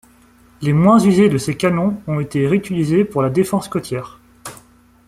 Les moins usés de ces canons ont été réutilisés pour la défense côtière.